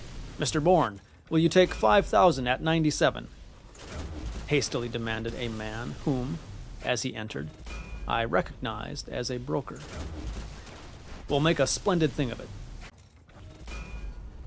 "Mr. Bourne, will you take five thousand at ninety seven?" hastily demanded a man whom, as he entered, I recognized as a broker. "We'll make a splendid thing of it."